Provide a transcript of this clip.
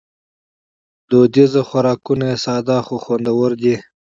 دودیز خوراکونه یې ساده خو خوندور دي.